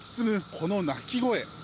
この鳴き声。